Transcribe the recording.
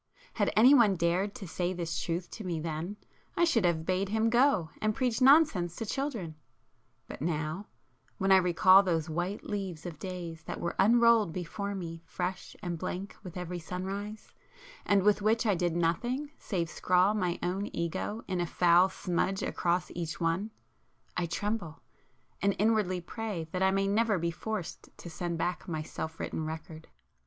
Had any one dared to say this truth to me then, I should have bade him go and preach nonsense to children,—but now,—when I recall those white leaves of days that were unrolled before me fresh and blank with every sunrise, and with which I did nothing save scrawl my own Ego in a foul smudge across each one, I tremble, and inwardly pray that I may never be forced to send back my self written record!